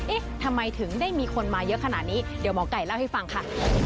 เอ๊ะทำไมถึงได้มีคนมาเยอะขนาดนี้เดี๋ยวหมอไก่เล่าให้ฟังค่ะ